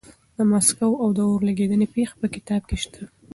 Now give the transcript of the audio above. د مسکو د اور لګېدنې پېښه په کتاب کې شته.